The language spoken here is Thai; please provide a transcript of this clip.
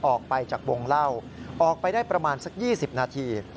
ออกไปจากวงเล่าออกไปได้ประมาณสัก๒๐นาที